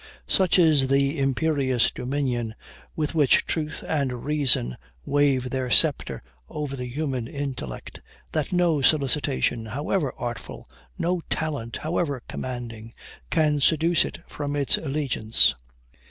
Such is the imperious dominion with which truth and reason wave their sceptre over the human intellect, that no solicitation, however artful no talent, however commanding can seduce it from its allegiance.